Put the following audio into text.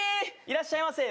いらっしゃいませ。